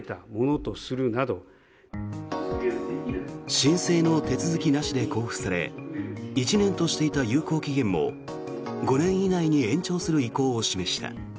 申請の手続きなしで交付され１年としていた有効期限も５年以内に延長する意向を示した。